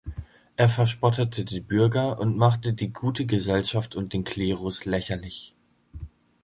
Er verspottete die Bürger und machte die gute Gesellschaft und den Klerus lächerlich.